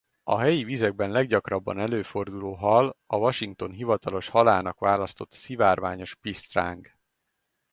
A helyi vizekben leggyakrabban előforduló hal a Washington hivatalos halának választott szivárványos pisztráng.